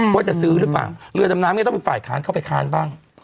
ว่าจะซื้อหรือเปล่าเรือดำน้ำจะต้องเป็นฝ่ายค้านเข้าไปค้านบ้าง